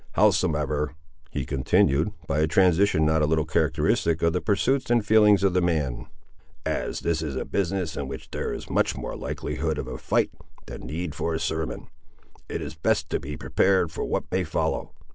Howsomever," he continued, by a transition not a little characteristic of the pursuits and feelings of the man, "as this is a business in which there is much more likelihood of a fight than need for a sermon, it is best to be prepared for what may follow.